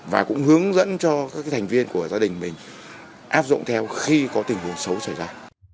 và cũng hướng dẫn cho các thành viên của gia đình mình áp dụng theo khi có tình huống xấu xảy ra